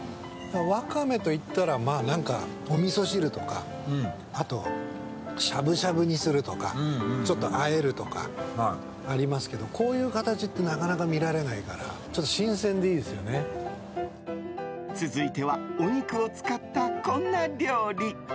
ワカメといったらおみそ汁とかしゃぶしゃぶにするとかちょっとあえるとかありますけどこういう形ってなかなか見られないから続いては、お肉を使ったこんな料理。